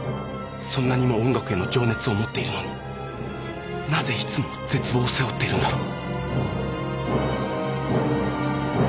そんなにも音楽への情熱を持っているのになぜいつも「絶望」を背負っているんだろう。